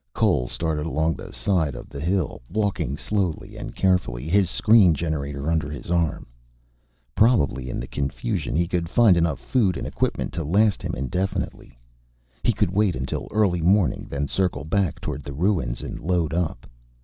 Cole started along the side of the hill, walking slowly and carefully, his screen generator under his arm. Probably in the confusion he could find enough food and equipment to last him indefinitely. He could wait until early morning, then circle back toward the ruins and load up.